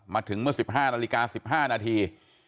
มาถึงเมื่อ๑๕นาฬิกา๑๕นาที